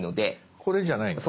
これじゃないんだ。